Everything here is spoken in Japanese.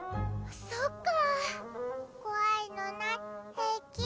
そっかこわいのないへいき？